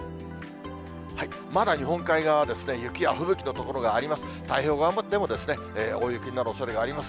まだ日本海側は雪や吹雪の所があります。